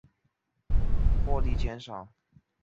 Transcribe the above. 北宋改名为左右司谏。